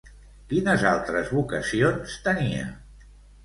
Quines altres vocacions tenia?